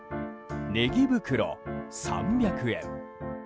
ねぎ袋、３００円。